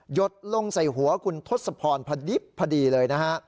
หยดลงใส่หัวคุณทศพรพอดีเลยนะฮะ